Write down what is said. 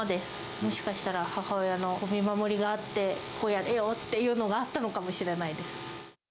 もしかしたら母親の見守りがあって、こうやれよっていうのがあったのかもしれないです。